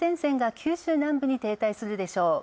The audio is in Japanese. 九州南部には秋雨前線が停滞するでしょう。